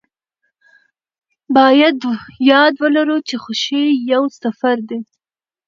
باید په یاد ولرو چې خوښي یو سفر دی.